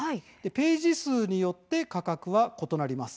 ページ数によって価格は異なります。